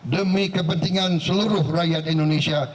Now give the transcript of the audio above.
demi kepentingan seluruh rakyat indonesia